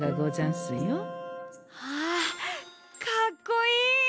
あかっこいい！